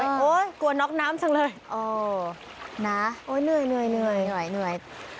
โอ๊ยกลัวน็อคน้ำถึงเลยโอ้ยเหนื่อย